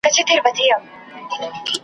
ته به ښايی د ښکلا ټوټې پیدا کړې .